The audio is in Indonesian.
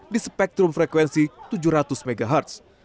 di spektrum frekuensi tujuh ratus mhz